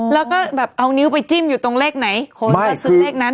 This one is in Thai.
แล้วก็แบบเอานิ้วไปจิ้มอยู่ตรงเลขไหนคนก็ซื้อเลขนั้น